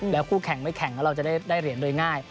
แล้วคู่แข่งไม่แข่งแล้วเราจะได้เหรียญโดยง่าย